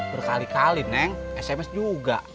berkali kali neng sms juga